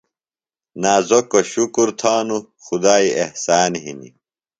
نازکوۡ شُکر تھانوۡ۔ خدائی احسان ہِنیۡ۔